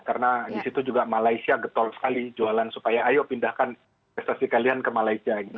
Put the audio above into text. karena di situ juga malaysia getol sekali jualan supaya ayo pindahkan prestasi kalian ke malaysia gitu